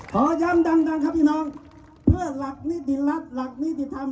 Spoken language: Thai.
ขอย้ำดังครับพี่น้องเพื่อหลักนิติรัฐหลักนิติธรรม